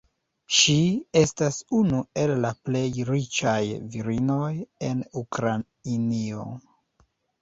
Ŝi estas unu el la plej riĉaj virinoj en Ukrainio.